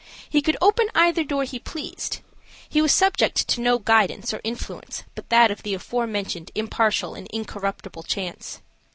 He could open either door he pleased; he was subject to no guidance or influence but that of the aforementioned impartial and incorruptible chance.